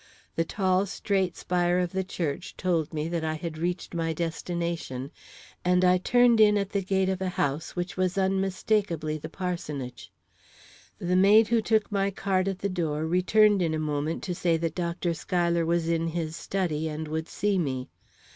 The tall, straight spire of a church told me that I had reached my destination, and I turned in at the gate of a house which was unmistakably the parsonage. The maid who took my card at the door returned in a moment to say that Dr. Schuyler was in his study and would see me.